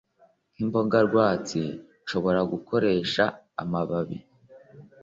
nk’imboga rwatsi. Nshobora gukoresha amababi